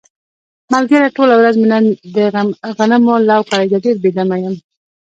ملگریه ټوله ورځ مې د غنمو لو کړی دی، ډېر بې دمه یم.